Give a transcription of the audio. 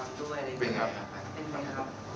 เมื่อวานแล้วก็ต้องวิทยาละครด้วย